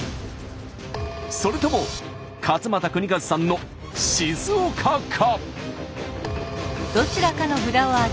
それとも勝俣州和さんの静岡か？